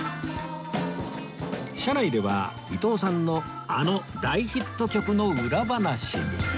車内では伊東さんのあの大ヒット曲の裏話に